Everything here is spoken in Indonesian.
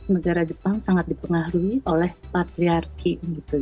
negara jepang sangat dipengaruhi oleh patriarki